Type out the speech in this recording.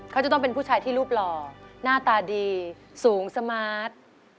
เขาจะต้องเป็นผู้ชายที่รูปหล่อหน้าตาดีสูงสมาร์ท